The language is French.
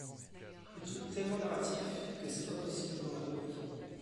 Le truc tellement narratif que c'est pas possible dans la vraie vie.